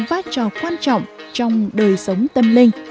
phát trò quan trọng trong đời sống tâm linh